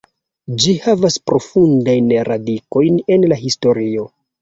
Ĝi havas profundajn radikojn en la historio.